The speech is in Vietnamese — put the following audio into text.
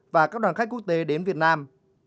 và các đoàn khách quốc tế đến việt nam